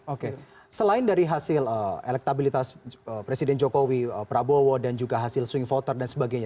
oke selain dari hasil elektabilitas presiden jokowi prabowo dan juga hasil swing voter dan sebagainya